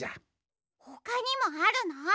ほかにもあるの？